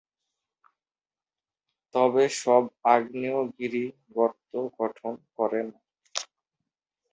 তবে সব আগ্নেয়গিরি গর্ত গঠন করে না।